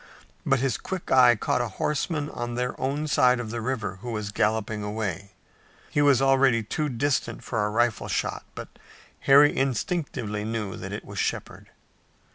But his quick eye caught a horseman on their own side of the river who was galloping away. He was already too distant for a rifle shot, but Harry instinctively knew that it was Shepard.